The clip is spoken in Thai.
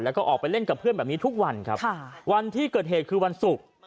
แล้วก็ออกไปเล่นกับเพื่อนแบบนี้ทุกวันครับวันที่เกิดเหตุคือวันศุกร์